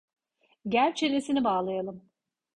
Gel çenesini bağlayalım.